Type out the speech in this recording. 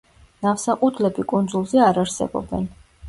ნავსაყუდლები კუნძულზე არ არსებობენ.